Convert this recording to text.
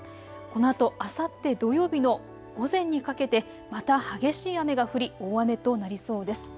このあと、あさって土曜日の午前にかけてまた激しい雨が降り大雨となりそうです。